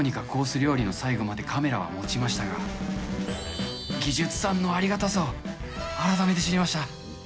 料理の最後までカメラはもちましたが、技術さんのありがたさを改めて知りました。